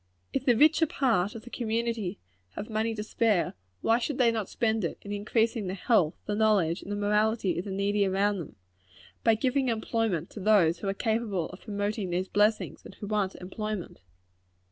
If the richer part of the community have money to spare, why should they not spend it in increasing the health, the knowledge, and the morality of the needy around them by giving employment to those who are capable of promoting these blessings, and who want employment?